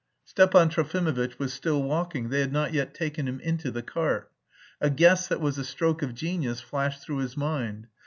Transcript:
Stepan Trofimovitch was still walking, they had not yet taken him into the cart. A guess that was a stroke of genius flashed through his mind.